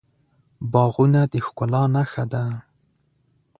باغونه د ښکلا نښه ده.